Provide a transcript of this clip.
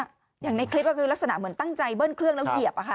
อย่างในคลิปก็คือลักษณะเหมือนตั้งใจเบิ้ลเครื่องแล้วเหยียบ